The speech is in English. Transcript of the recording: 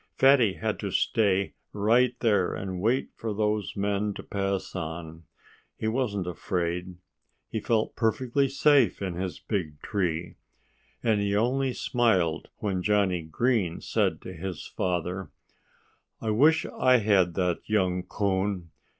Fatty had to stay right there and wait for those men to pass on. He wasn't afraid. He felt perfectly safe in his big tree. And he only smiled when Johnnie Green said to his father "I wish I had that young coon.